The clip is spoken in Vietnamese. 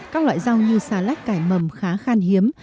các loại rau như xà lách cải mầm khá khan hiếm